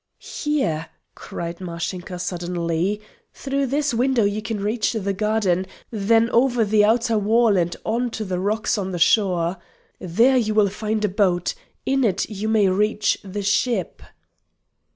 "Here!" cried Mashinka suddenly; "through this window you can reach the garden then over the outer wall and on to the rocks on the shore! There you will find a boat. In it you may reach the ship."